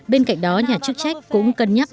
bên cạnh đó nhà chức trách cũng cân nhắc